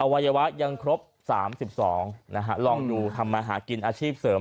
วัยวะยังครบ๓๒นะฮะลองดูทำมาหากินอาชีพเสริม